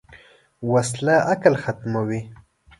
وسله عقل ختموي